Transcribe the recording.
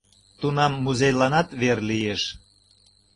Тунам музейланат вер лиеш!